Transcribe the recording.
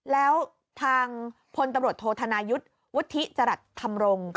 แล้วทางพลตำรวจโทษธนายุทธ์วุฒิจรัสธรรมรงค์